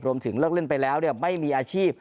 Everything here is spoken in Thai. รวมถึงเลิกเล่นไปแล้วไม่มีอาชีพ